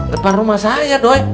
depan rumah saya doi